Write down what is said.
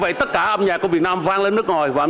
gọi tắt là các đơn vị isp